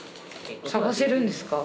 探せるんですか？